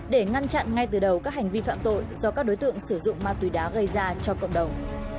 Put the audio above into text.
để ngăn chặn ngay từ đầu các hành vi phạm tội do các đối tượng sử dụng ma túy đá gây ra cho cộng đồng